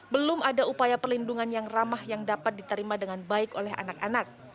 belum ada upaya perlindungan yang ramah yang dapat diterima dengan baik oleh anak anak